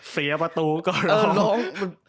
เสียประตูก็ร้อง